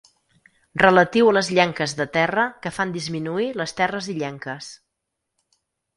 Relatiu a les llenques de terra que fan disminuir les terres illenques.